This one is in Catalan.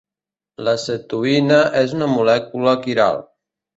L'acetoïna és una molècula quiral.